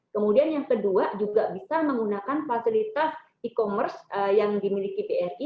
kemudian yang kedua juga bisa menggunakan fasilitas e commerce yang dimiliki bri